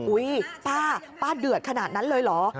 ป้าป้าเดือดขนาดนั้นเลยเหรอ